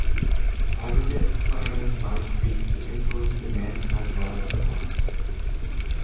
Aggregate planning might seek to influence demand as well as supply.